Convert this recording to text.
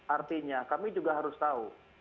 artinya kami juga harus tahu